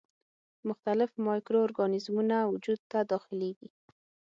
مختلف مایکرو ارګانیزمونه وجود ته داخليږي.